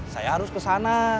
saya harus kesana